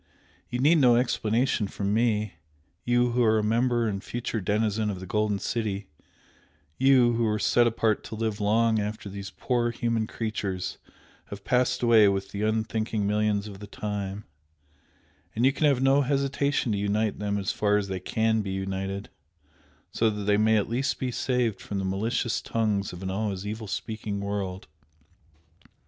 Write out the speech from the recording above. You need no explanation from me, you who are a member and future denizen of the Golden City, you, who are set apart to live long after these poor human creatures have passed away with the unthinking millions of the time and you can have no hesitation to unite them as far as they CAN be united, so that they may at least be saved from the malicious tongues of an always evil speaking world.